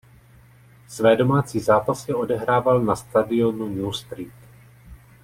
Své domácí zápasy odehrával na stadionu New Street.